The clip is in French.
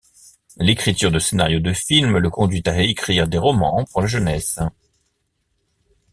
L'écriture de scénarios de films le conduit à écrire des romans pour la jeunesse.